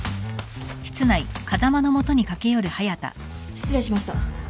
失礼しました。